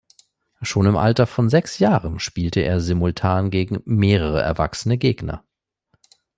Schon im Alter von sechs Jahren spielte er simultan gegen mehrere erwachsene Gegner.